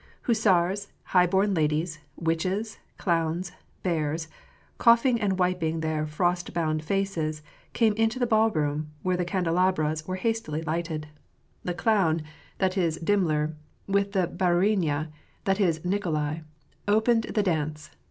Hussars, high bom ladies, witches, clowns, bears, coughing and wiping their frost bound faces, came into the ballroom, where the candelabras were hastily lighted. The clown — 296 WAR'AND PEACE. that is, Dimmler, with the hdruinj/a, that is, Nikolai, opened the dance.